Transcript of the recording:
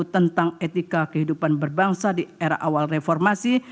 tentang etika kehidupan berbangsa di era awal reformasi